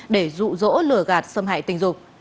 để rụ rỗ lửa gạt xâm hại tình dục